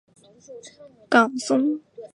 岗松为桃金娘科岗松属下的一个种。